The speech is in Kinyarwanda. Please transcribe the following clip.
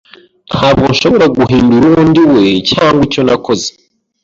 Ntabwo nshobora guhindura uwo ndiwe cyangwa icyo nakoze.